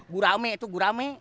gurame tuh gurame